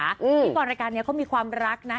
ที่ก่อนรายการนี้เขามีความรักนะ